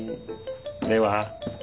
では。